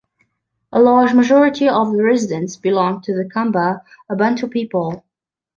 A large majority of the residents belong to the Kamba, a Bantu people.